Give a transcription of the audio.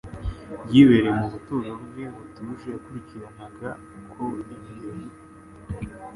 Yibereye mu buturo bwe butuje, yakurikiranaga uko ibihe bihita.